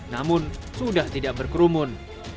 namun sudah tidak berkerumun